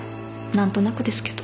何となくですけど